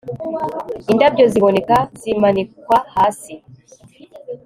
Indabyo ziboneka zimanikwa hasi